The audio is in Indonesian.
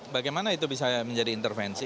bagaimana itu bisa menjadi intervensi